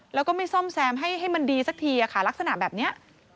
แล้วก็ไม่ซ่อมแซมให้มันดีสักทีค่ะลักษณะแบบนี้